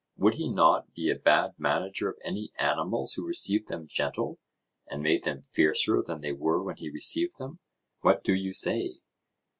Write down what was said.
Would he not be a bad manager of any animals who received them gentle, and made them fiercer than they were when he received them? What do you say?